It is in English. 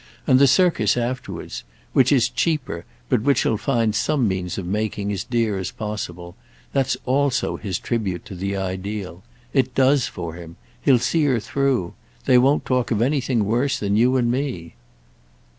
And the circus afterwards—which is cheaper, but which he'll find some means of making as dear as possible—that's also his tribute to the ideal. It does for him. He'll see her through. They won't talk of anything worse than you and me."